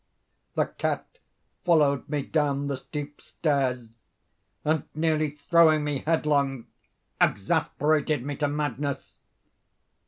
The cat followed me down the steep stairs, and, nearly throwing me headlong, exasperated me to madness.